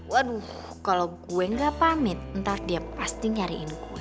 waduh kalo gue gak pamit ntar dia pasti nyariin gue